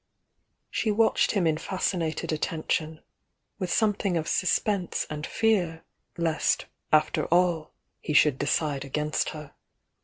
She watched him in fascinated attention, with something of suspense and fear lest after all he should decide against her.